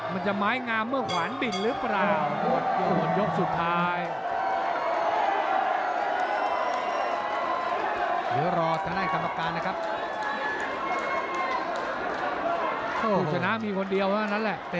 มันจะไม้งามเมื่อขวานบินหรือเปล่า